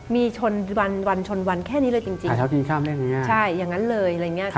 มีชนวันชนวันแค่นี้เลยจริงใช่อย่างนั้นเลยอะไรอย่างนี้